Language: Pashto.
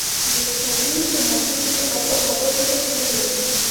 د پسرلي په موسم کې اب هوا ډېره ښه وي.